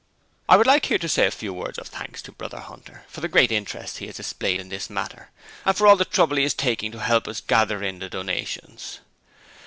'I would like here to say a few words of thanks to Brother Hunter for the great interest he has displayed in this matter, and for all the trouble he is taking to help us to gather in the donations.'